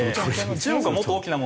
中国はもっと大きな問題